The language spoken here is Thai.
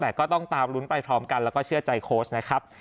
แต่ก็ต้องตามลุ้นไปพร้อมกันแล้วก็เชื่อใจโค้ชนะครับ